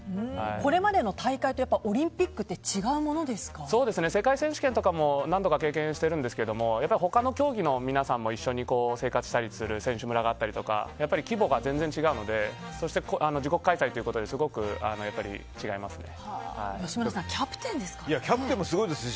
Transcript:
これまでの大会とオリンピックって世界選手権とかも何度か経験してるんですけど他の競技の皆さんも一緒に生活したりする選手村があったりとか規模が全然違うのでそして、自国開催ということで吉村さん、キャプテンですから。